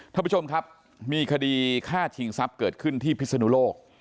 ท่านผู้ชมครับมีคดีฆ่าชิงทรัพย์เกิดขึ้นที่พิศนุโลก